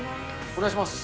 お願いします。